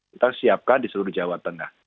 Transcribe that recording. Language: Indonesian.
kita siapkan di seluruh jawa tengah